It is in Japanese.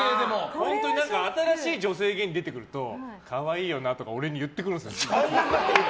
本当に新しい女性芸人出てくると可愛いよなとか俺に言ってくるんですよ。